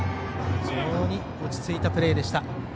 非常に落ち着いたプレーでした。